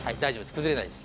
崩れないです。